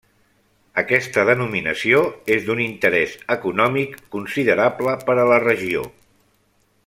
Aquesta denominació és d'un interès econòmic considerable per a la regió.